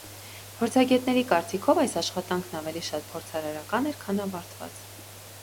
Փորձագետների կարծիքով, այս աշխատանքն ավելի շատ փորձարարական էր, քան ավարտված։